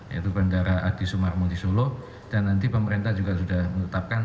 yaitu bandara adi sumar munisulo dan nanti pemerintah juga sudah menetapkan